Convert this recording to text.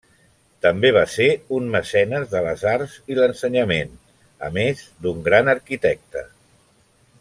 També va ser un mecenes de les arts i l'ensenyament, a més d'un gran arquitecte.